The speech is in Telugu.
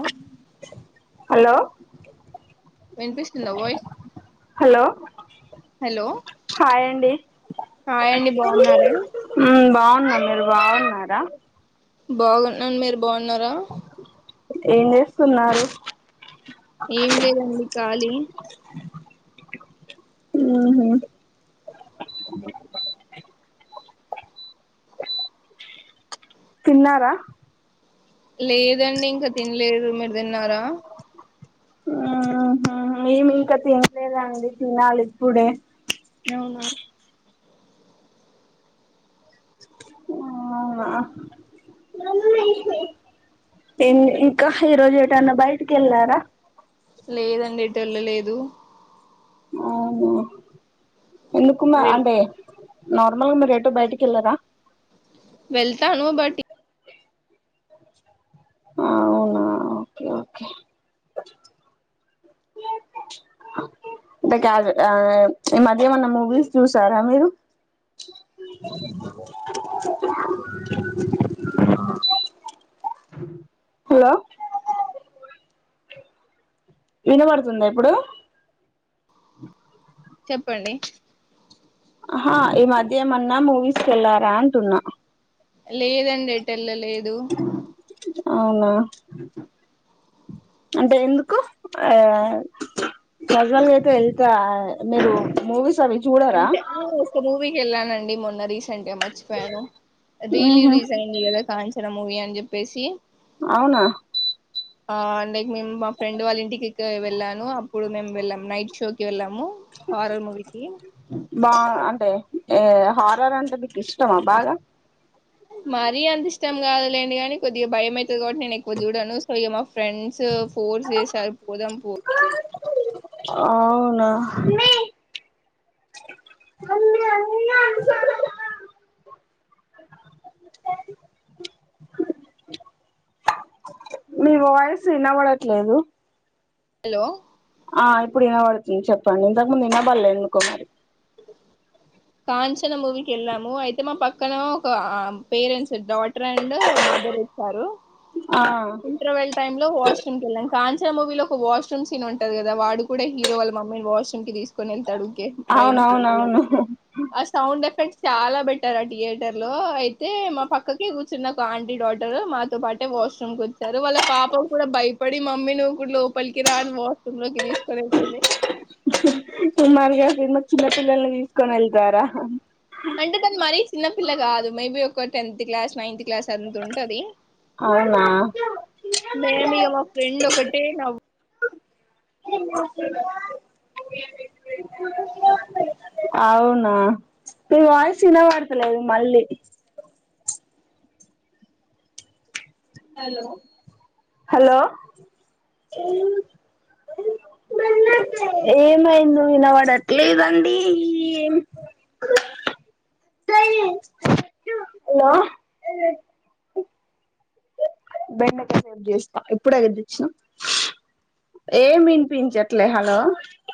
ఆ [unintelligible] హలో వినిపిస్తుందా వాయిస్ హలో హలో హాయ్ అండి హాయ్ అండి బాగున్నారా మ్మ్ బాగున్ మ్మ్ మీరు బాగున్నారా బాగున్నాన్ మీరు బాగున్ బన్నర ఏం చేస్తున్నారు ఏం లేదండి ఖాలీ మ్మ్ హ్మ్ తిన్నారా లేదండి ఇంకా తినలేదు మీరు తిన్ న్నారా మ్మ్ హ్మ్ ఏమి ఇంకా తినలేదండి తినాలి ఇప్పుడే అవునా ఆ అవునా ఇన్ ఇక ఈరోజు ఎటన్న బయటికి వెళ్లారా లేదండి ఎటు వెళ్లలేదు అవునా ఎందుకు మీరు ఎల్- అంటే నార్మల్గా మీరు ఎటూ బయటికి వెళ్లారా వెల్తాను బట్టి అవునా ఓకె ఓకె అంటే కాదు ఈ మధ్య ఏమన్నా మూవీస్ చూసారా మీరు హెలో వినబడుతుందా ఇప్పుడు చెప్పండి అహా ఈ మాధ్య మ నా మూవీస్కెళ్ళారా అంటున్న లేదండి ఇట్ట ఎళ్ళలేదు అవునా అంటే ఎందుకు ఆయ కజల్ గయితే వెళ్తా మీరు మూవీస్ అవి చూడరా అంటే ఆ ఒక మూవీకి వెళ్ళానండి మన్నరరి గంటె మరిచి పోయాను రీ ఉహు రీజైన్ది కాంచన మూవి ఇంక ఉప్పేసి అవున ఆ అందె ఇంకా మేమ్ మా ఫ్రెండ్ వాళ్ళ ఇంటికి వెళ్ళాను అప్పుడు మేము వెళ్ళాం నైట్ షోకి వెళ్ళాము హారర్ మూవీకి అదే ఏ హారర్ అంటె నీక్ ఇష్టమా బాగా మరీ అంత ఇష్టం కాదులేండి కానీ కొద్దిగా భయం అవుతది కాబట్టి నేను ఎక్కువ చూడను సో ఇ మా ఫ్రెండ్స్ ఫోర్స్ చేసారు పోదాం పో ఆవునా అన్నా అన్నా హు హు మీ వాయ్సు వినబడట్లేదు హెలో ఆ ఇప్పుడు వినబడతుంది చెప్పండి ఇంతకు ముందు వినపడలేడు కాంచన మూవి కెళ్ళాం మో అయితే మా పక్కన ఒక పేరెంట్స్ ఇద్ద ట్రెండ్ మదర్ వచ్చారు ఆ ఇంటర్వెల్ టైమ్ లో వాష్రూమ్ కి వెళ్ళాం కా ఇచ్చే మూవీలో ఒక వాష్రూమ్ సీన్ ఉంటంది కదా వాడు కూడా హీరో వాళ్ళ మమ్మీ వాష్రూమ్ క తీసుకు కొనీళ్ తాడు ఒకె బయం ము అవునవునవును అ సౌండ్ ఎఫెక్ట్ సె చాలా బెటర్ ఆ థియేటర్ లో తె మా పక్క కేగు చిన్న ఒక ఆంటీ డాటర్ మాతో పాటే వాష్రూమ్ కు వచ్చారు వాళ్ళ పాప కూడా భయపడి మమ్మీని కూడా లోపలకి రా అని వాష్ రూమ్ కి తీసుకొని వెళ్తుంది మరి గా చిన్న పిల్లలని తీసుకొని వెళ్తారా పిల్ల గాదు మేబి ఒక టెన్ క్లాస్ నైన్త్ క్లాస్ అంతు ఉంటది అవునా మేము మా ఫ్రెండ్ ఒకటె నా అవునా మీ వాయిస్ వినబడతలేదు మళ్ళీ హలో ఏమైందివ్ వినబడతలేదు అండి హలో బెండకాయ రేపు చేస్తా ఇప్పుడు తెచ్చినా ఏమినిపించట్లే హలో